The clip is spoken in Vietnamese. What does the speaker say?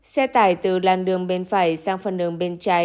xe tải từ làn đường bên phải sang phần đường bên trái